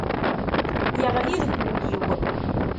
Yeɣli deg wul-iw.